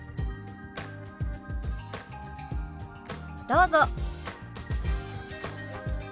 どうぞ。